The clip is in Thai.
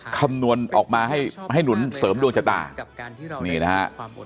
คำนวณออกมาให้หนุนเสริมดวงชะตานี่นะฮะ